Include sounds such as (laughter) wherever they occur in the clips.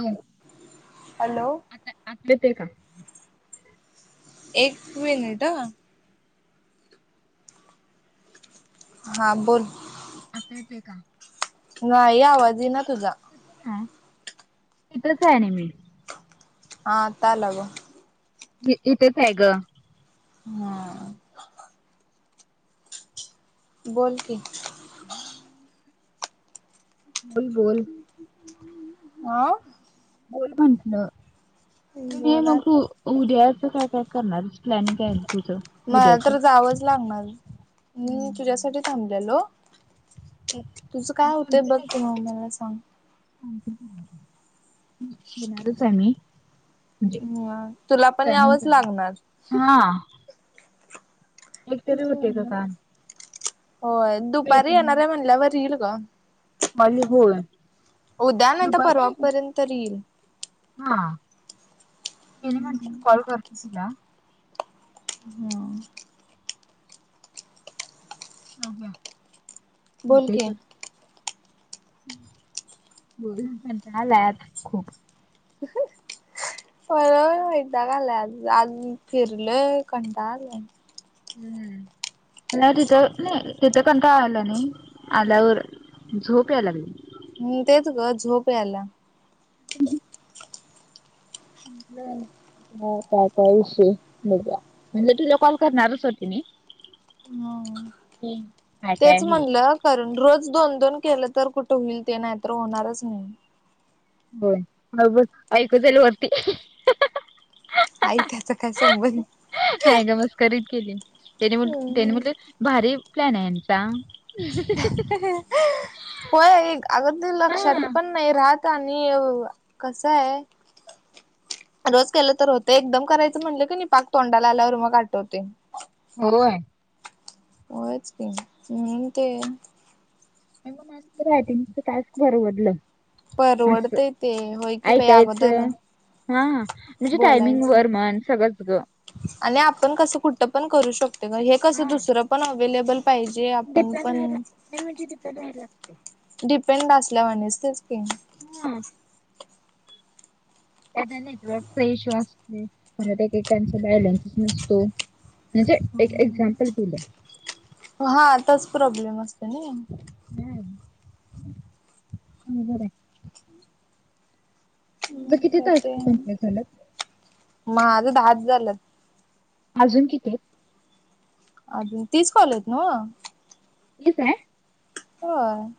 हो हॅलो आता आले ते का? एक मिनिट ह. हा बोल. आता य तोय का? नाही आवाज येई ना तुझा. ह तिथेच आहे आणि मी. हा आता आला गं. मी इथेच आहे ग. (inaudible) बोल की, (inaudible) बोल बोल. आं... बोल म्हणलं बोला (unintelligible) उद्याचं काय काय करणार, प्लॅनिंग काय तुझं. मला उद्याचं? तर जावंच लागणार, मी तुझ्यासाठी थांबलेलो. तुझं मी काय होतंय बघ, म्हटलं की मला सांग. येणारच आहे मी. म्हणजे हं तुला पण प्लॅनिंग यावंच लागणार. हा. एकतरी तेच होते का म्हणलं, काम? होय दुपारी वेटिंग येणाऱ्या म्हणल्यावर येईल ग. माझ होय. उद्या नाही तर दुपारी परवापर्यंत तर येईल. हा त्यांनी म्हण कॉल करतीया. हम्. हो काय, बोल होतंय की. सोड. बोलून कंटाळा आलाय आज खूप. (unintelligible) (unintelligible) आज फिरल कंटाळा आलाय. हम्म हम्म. नाही तिथं नाही तिथं कंटाळा आला नाही आल्यावर झोप याय लागली. मी तेच ग झोप यायला. हह. बेल. हो काय विषय बघा म्हणजे, तुला कॉल करणारच होते मी. हम्म. की काय काय तेच हे म्हणलं कारण, रोज दोन दोन केलं तर कुठं होईल ते नाही तर होणारच नाही. होय, बस ऐकू जाईल वरती. आई त्याच काय संबंध? नाही मस्करीत गेली त्याने, त्याने हम्म म्हटलं भारी प्लॅन आहे यांचा. होय अग ते लक्षात हा पण. नाही राहत आणि कस आहे. रोज केलं तर होते, एकदम करायचं म्हटलं की नाही पाक तोंडाला आल्यावर मग आठवते. होय. होयच की मी पण ते. आई मग माझं तर रायटिंगचं टास्क परवडलं. असं परवडत ते होय की, बाई अगोदर. ऐकायचं. हा म्हणजे, टायमिंग बोलायचं. वर म्हण सगळंच गं. आणि आपण कसं कुठं पण करू शकतो हे, कसं हा दुसर पण अवलेबल. पाहिजे आपण डिपेंड पण. राहायला मेन म्हणजे डिपेंड राहायला लागते. डिपेंड असल्यावणीच तेच की. हम्म. नेटवर्कचा इशू असतोय, परत एकेकांचा बॅलेन्स नसतो. म्हणजे एक एक्झाम्पल दिलं. हा आताच प्रॉब्लेम असते नई. हां बराय‌. तुझं म किती का ते, टास्क कंप्लीट झाल्यात माझं दहाच झालेत. अजून कितीेये? अजून तीस कॉल, आहेत नवं. तीच हाय? आं.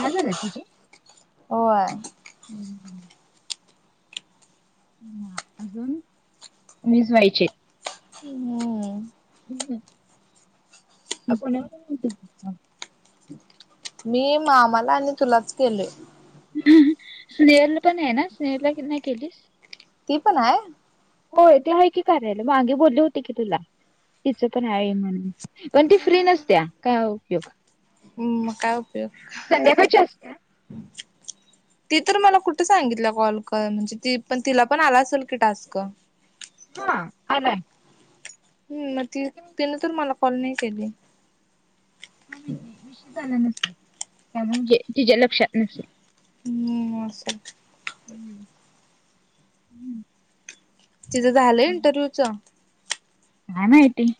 झालं ना तुझ. हो आहे (unintelligible) हम्म. हा अजून निजवायचे. हम्म हम् अ मी मामाला आणि तुलाच केलय. स्नेहल पण आहे ना स्नेहला नाही केलीस. ती पण आहे? होय ते आहे की कार्यालय, मागे बोलली होती की तुला. तिचं पण आहे म्हणून, पण ती फ्री नसत्या काय उपयोग. हम्म मग काय उपयोग? संध्याकाळची (inaudible) ती तर मला कुठं सांगितलं कॉल कर म्हणजे त पण तिला पण आला असेल की टास्क. हा आलाय. हम्म मग ती तिनं तर मला कॉल नाही केली. का मा विश झाला नसेल, का म्हणजे तिच्या लक्षात नसेल. हम्म असल. हम्म हम्म. तिजं झालं इंटरव्ह्यूच? काय माहिती.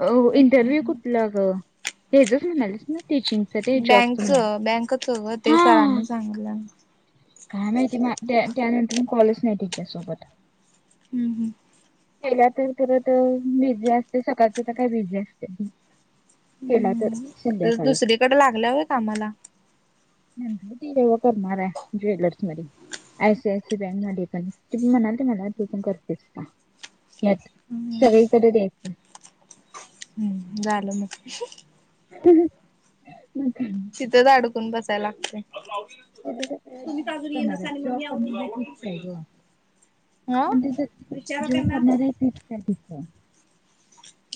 अ इंटरव्ह्यू कुठलं ग? त्याचाच म्हणालेच ना टीचिंग. बँकच बँकच ग ते हा सरांनी सांगितल्याल. काय माहिती म त्या त्यानंतर म कॉलच नाही तिच्यासोबत. हम् हम् केल्या तर तरत बिझी असते सकाळच तर काय बिझी असते. केला तर संध्याकाळी. कड लागलं व्हय कामाला? तरव करणार आहे, ज्वेलर्स मध्ये. I C I C bank म पण तुम्ही म्हणाले मला ते पण करतेस का? यात सगळीकडे द्यायचं. हम्म झालं मग. हह, मग काय. तिथंच अडकून बसायला लागते. तिथं कसंय जाणार आहे, जॉब कंपनी फिक्स आहे ग. हा पण जो करणार आहे तेच काय फक्त?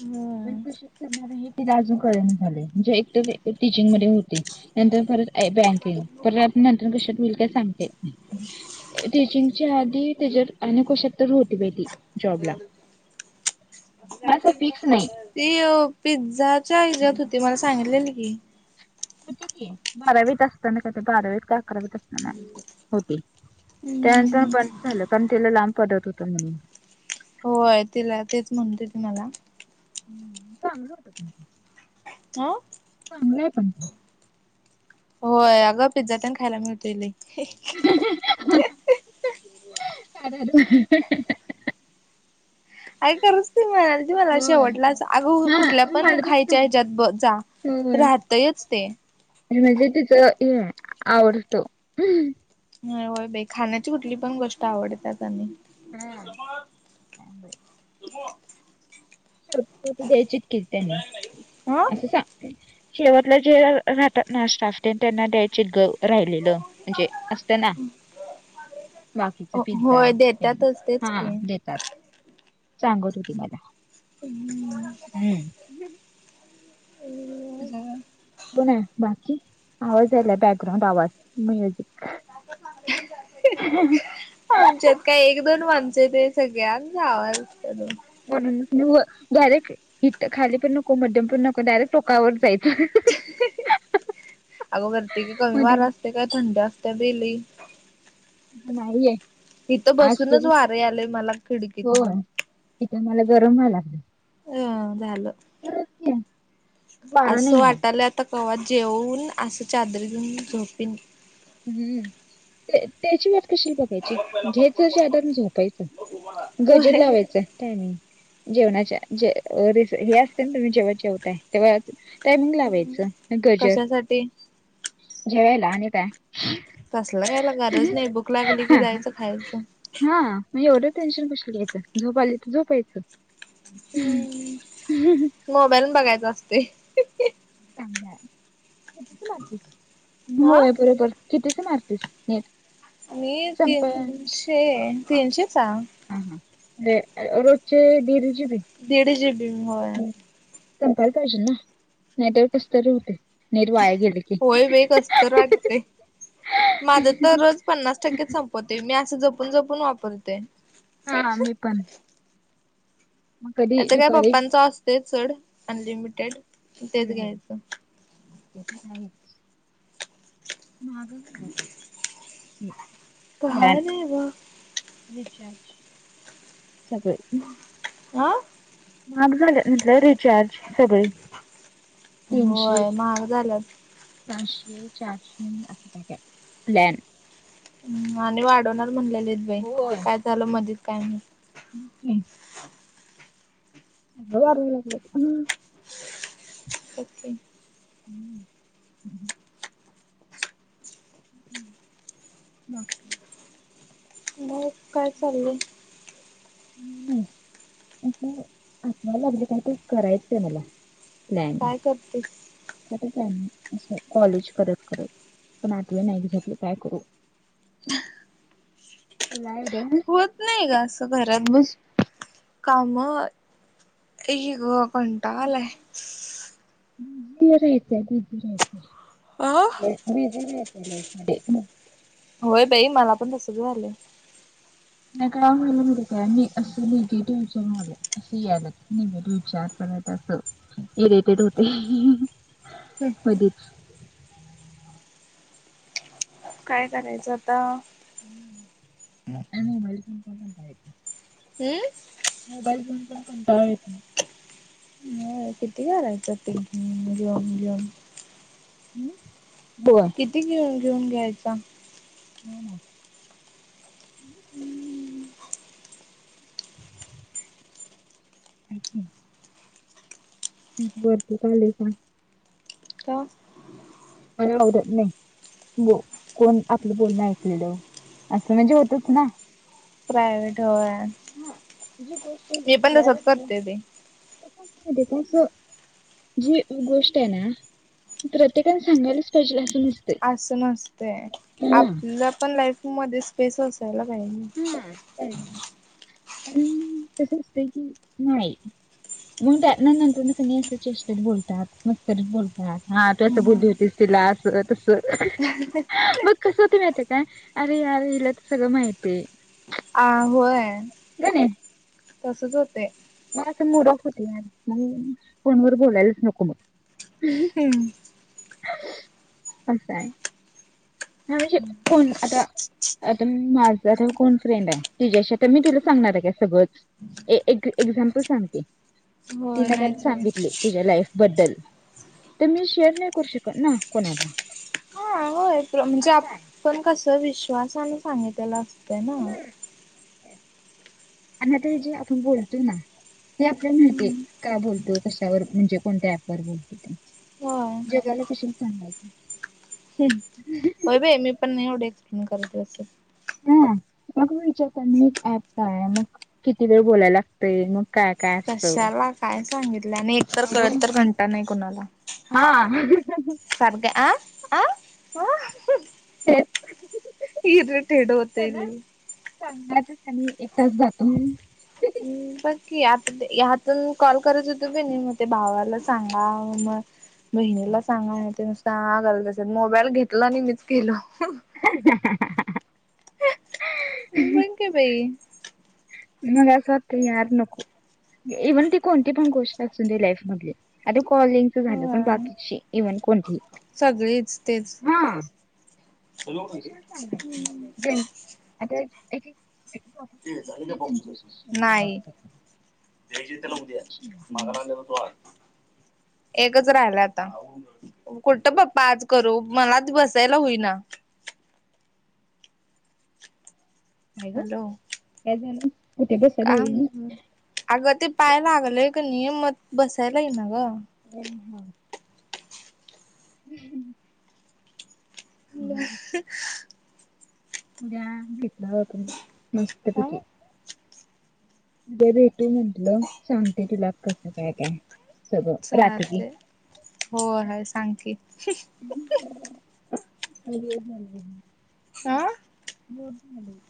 होय. कणारजूक कळेना झालय, म्हणजे एक टीचिंग मध्ये. ती नंतर परत बँके परत नंतर कशात विल काय सांगते. टीचिंगच्या आधी त्याच्यात आणि कशात तर होती बाई ती. जॉबला माझं असं फिक्स नाही. तीअ पिझ्झाच्या हेच्यात होती, मला सांगितलेली की. बारावीत असत ना काय तर बारावीत का अकरावीत. हा हा, होती त्यानंतर हम्म बंद झालं कारण त्याला लांब पडत होत म्हणून. होय तिला, तेच म्हणतेत मला. हम् चांगलं होतं त आ? चांगलंय पण. होय अगं पिझ्झा तेन खायला मिळतोय लई. अ. (unintelligible) आई खरच कि मग म्हणालती मला अ होय शेवटलाच (unintelligible) अस अगो हा कुठल्या पण मला खायच्या सांगितलं ह्याच्यात ब जा. राहतयच ते. आणि म्हणजे तिचं हे आवडतं. नाही होय बाई खाण्याची कुठली पण गोष्ट आवडतात त्यांना हा. हमं. अव. (unintelligible) द्यायचीत कि त्यांना हा असं सांगते. शेवटला जे राहतात नाश्ता असते त्यांना द्यायचे ग राहिलेलं म्हणजे असतं ना बाकीच पिझ्झा होय (unintelligible) यांनी देतातच तेच हा की. देतात. सांगत होती मला. हम्म. (unintelligible) हम्म. हम्म. कोण आहे बाकी आवाज आला बॅकग्राउंड आवाज. (unintelligible) आमच्यात काय एक दोन माणसं आहेत होय सगळ्यात जा म्हणून मी डायरेक्ट हितं खाली पण नको मध्यम पण नको डायरेक्ट टोकावर जायच. अगं वरती काय कमी मधी वारं असते काय थंडी असत्या बाई लई. बाई आहे. इथं बसूनच वार यायलय मला खिडकीत. होय इथे मला गरम व्हाय लागलाय. अ झालं. खरच की. वारा असं नाहीये. वाटालंय आता कवा हा जेवून असं चादरी घेऊन झोपीन. हम्म. त्या त्याची वाट कशाला बघायची घ्यायची चादर आणि झोपायचं. गजर होय लावायचा. टायमिंग जेवणाच्या जे र हे असते ना तुम्ही जेव्हा जेवताय तेव्हा. (unintelligible) टायमिंग लावायचं गजर कशासाठी? जेवायला आणि काय. तसल कायला गरज नाही भुक लागली की जायचं खायचं हा मग एवढं टेन्शन कशाला घेत्यास झोप आली तर झोपायचं. हम् मोबाईलन बघायचा असतय. चां कितीच मारतीस हा होय बरोबर कितीच मारतीस नेट? मी संपा तीनशे तीनशे चा. रोजचेे दीड जी बी. दिड जी बी होय. संपायला पाहिजे ना नाही तर कसतरी होतय. होय बाई कस तर वाटतयं माझं तर रोज पन्नास टक्के संप- मग ते मी असं जपून जपून वापरते. हा मी पण. मग कधी आता काय दुपारी पप्पांच असतयच सोड अनलिमिटेड तेच हम्म घ्यायचं. ते नाही. (unintelligible) माहाग. (unintelligible) काहाय नाही बग. रिचार्ज सगळे. (unintelligible) आ? माहाग झालय म्हटलं रिचार्ज. सगळी तीनशे. होय महाग झाल्यात प्लॅन. हम् आणि वाढवणार म्हणलेले बाई काय झालं मधीत काय नाही क (inaudible) अ अले (inaudible) के (inaudible) हम्म ह् ब मग काय चाललं हम्म आठवायला लागले काहीत करायचं आहे मला प्लॅन काय करतेस? (unintelligible) असं कॉलेज करत करत पण आठव्या नाही एक्झॅक्टली काय करू य (inaudible) होत नाही का असं घरात बसुन काम ए ग कंटालाय दिर येते तुझा कडे आं बिझी रहायचं लाईफ मध्ये होय बाई मला पण तसंच झालं नाही काय म्हलं म्हणजे काय असं निगेटिव्ह विच झालं (inaudible) हम् कधिच काय करायचं आता काय हम्म मोबाईल घेऊन पण कंटाळा येतो अ किती करायचं ते जेन जेम हम् ब किती घेऊन घेऊन घ्यायचा हम ना (inaudible) बर्फी खाल्ली का का मला आवडत ब कोण आपलं बोलणं ऐकलेलं असं म्हणजे होतच ना प्रायवेट होय करते ते (inaudible) जी गोष्ट आहे ना प्रत्येकाने सांगायलाच पाहिजेल असं नसत असं नस्तयआपला पण लाईफ मध्ये स्पेस असायला पाहिज ना पण तस असतं की नाही मग त्यात नंतर क अस चेष्टेत बोलतात मस्करीत बोलतात हा तू असं बोलली होतीस तिला असं तसं (inaudible) मग कसं होत माहितय काय अरे यार हिला तर सगळं माहितीय अ होय गण तसच होते मला तर मुड ऑफ होती यार मग फोन व बोलायलाच नको मग अस आहे हा श कोण आता आता माझा आता कोण फ्रेंड आहे तिच्या्शी आत मी तुला सांगणार आहे का सगळच एक एक्झामपल सांगते, होय तिन काय तर नाहीच की सांगितली तिच्या लाईफ बद्दल. तर मी शेअर नाही करू शकत ना कोणाला. हा होय म्हणजे आपण कसं, विश्वासन सांगितलेल असत हम्म, आणि आता हे जे आपण बोलतोय ना. ते आपल्याला माहितीये, का बोलतो कशावर म्हणजे कोणत्या ॲपवर बोलतो ते. होय जगाला कशाला सांगायचं? होय बाई मी पण नाही एवढे एक्सप्लेन करत बसत. हा मग म विचारता, मी काय मग किती वेळ बोलायला लागतय मग. काय काय? असतं कशाला काय सांगितलं आणि एकतर एवढं कळत तर घंट नाही कोणाला. हा. सरद्या आ आ आ? तेच हिज टेड होतंय लई. सांगायचच आणि एक तास जातो म्हणून. ह बघ की, आता यातून कॉल करत होतो बी नाही, मग ते भावाला सांगा मग बहिणीला सांगा, ते नुसतं ह गरज असेल मोबाईल घेतला आणि मीच गेलो. (unintelligible) बंक बाई. मग असं वाटतं की यार नको. इव्हन ती कोणती पण गोष्ट असू दे लाईफ मधली आता कॉलिंग झालं पण होय बाकीची इव्हन कोणती सगळीच तेच हा. कशाला सांगायचं ज्यान आता एक एक प्रॉब नाही. बाकीच्याशी नाही (unintelligible) एकच राहिलाय आता. कुठतं पप्पा आज करू? मलाच बसायला होईना. काय ग काय झालं? कुठे बसायला का होईल अगं ते पाय लागलंय क नी मग बसायला येईना ग. हम्म ना. हम्म (unintelligible) उद्या घेतलं हो, तम मस्त ह पैकी. उद्या भेटू म्हटलं सांगते तिला कसं काय काय. सगळं रात्री ते हो आहे सांग की. (unintelligible) हा? (unintelligible)